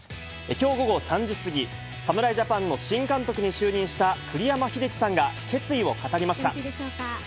きょう午後３時過ぎ、侍ジャパンの新監督に就任した、栗山英樹さんが決意を語りました。